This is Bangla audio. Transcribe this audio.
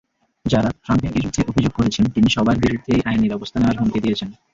যাঁরা ট্রাম্পের বিরুদ্ধে অভিযোগ করেছেন, তিনি সবার বিরুদ্ধে আইনি ব্যবস্থা নেওয়ার হুমকি দিয়েছেন।